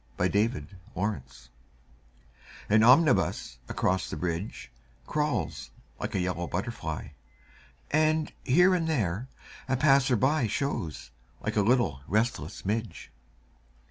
SYMPHONY IN YELLOW AN omnibus across the bridge Crawls like a yellow butterfly And, here and there, a passer by Shows like a little restless midge.